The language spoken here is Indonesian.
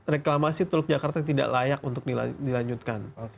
reklamasi teluk jakarta tidak layak untuk dilanjutkan